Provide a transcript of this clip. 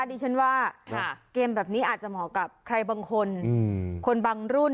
ดิฉันว่าเกมแบบนี้อาจจะเหมาะกับใครบางคนคนบางรุ่น